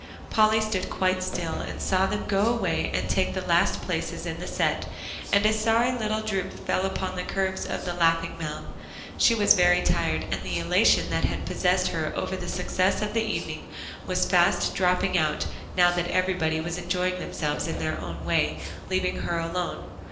Polly stood quite still and saw them go away and take the last places in the set, and a sorry little droop fell upon the curves of the laughing mouth. She was very tired, and the elation that had possessed her over the success of the evening was fast dropping out, now that everybody was enjoying themselves in their own way, leaving her alone.